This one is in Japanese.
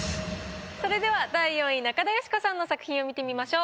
それでは第４位中田喜子さんの作品を見てみましょう。